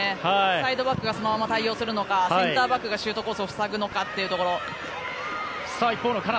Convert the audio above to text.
サイドバックがそのまま対応するのかセンターバックがシュートコースを塞ぐのかというところ。